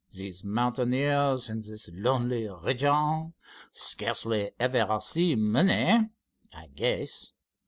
"These mountaineers, in this lonely region, scarcely ever see money, I guess.